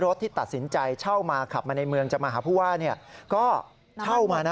ที่ตัดสินใจเช่ามาขับมาในเมืองจะมาหาผู้ว่าก็เช่ามานะ